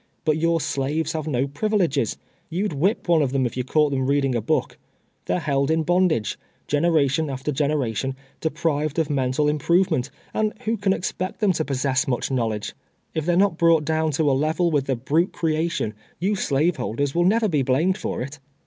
But your slaves have no privileges. You'd whip one of them if caught reading a book. They are held in bondage, generation after generation, de:)rived of mental im provement, and who can expect them to possess much knowledge ? If they are not brought down to a level with the brute creation, you slaveholdcrtf will never be blamed for it.